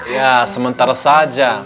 ya sementara saja